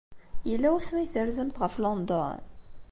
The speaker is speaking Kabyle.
Yella wasmi ay terzamt ɣef London?